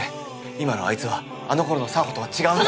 今のあいつはあの頃の沙帆とは違うんだ。